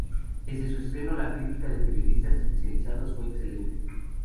Desde su estreno la crítica de los periodistas especializados fue excelente.